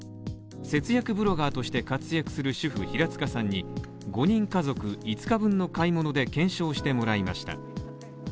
節約ブロガーとして活躍する主婦、平塚さんに５人家族、５日分の買い物で検証してもらいました。